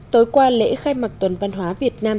tối qua lễ khai mạc tuần văn hóa việt nam